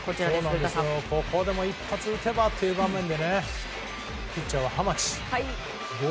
ここでも一発打てばという場面でピッチャーは浜地。